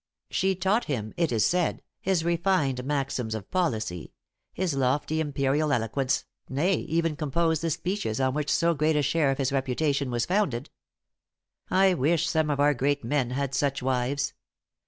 She taught him, it is said, his refined maxims of policy, his lofty imperial eloquence, nay, even composed the speeches on which so great a share of his reputation was founded, "I wish some of our great men had such wives.